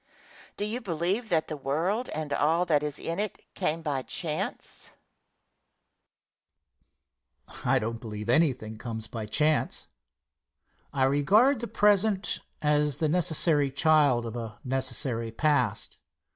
Do you believe that the world, and all that is in it came by chance? Answer. I do not believe anything comes by chance. I regard the present as the necessary child of a necessary past.